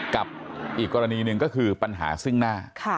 กับอีกกรณีหนึ่งก็คือปัญหาซึ่งหน้า